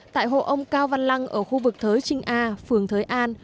tại hộ ông cao văn lăng ở khu vực thới trinh a phường thới an